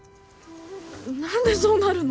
何でそうなるの？